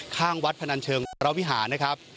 ข้างวัดพนันเชิงวรวิหารนะครับ